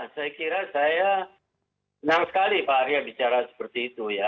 saya kira saya senang sekali pak arya bicara seperti itu ya